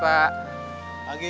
aku mau pergi